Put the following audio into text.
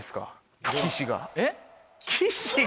えっ？